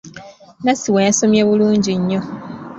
Nassiwa yasomye bulungi nnyo.